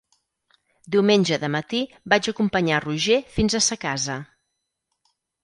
Diumenge de matí vaig acompanyar Roger fins a sa casa.